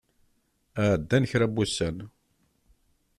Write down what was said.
Ɛeddan kra n wussan.